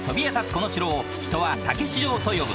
この城を人はたけし城と呼ぶ」